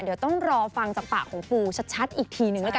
เดี๋ยวต้องรอฟังจากปากของปูชัดอีกทีนึงแล้วกัน